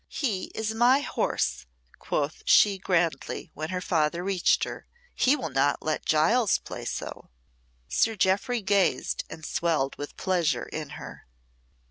"He is my horse," quoth she grandly when her father reached her. "He will not let Giles play so." Sir Jeoffry gazed and swelled with pleasure in her.